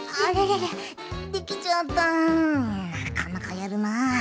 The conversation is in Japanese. なかなかやるな。